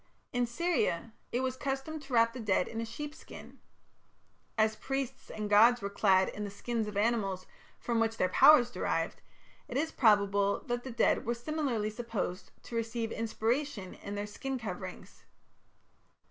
In Syria it was customary to wrap the dead in a sheep skin. As priests and gods were clad in the skins of animals from which their powers were derived, it is probable that the dead were similarly supposed to receive inspiration in their skin coverings.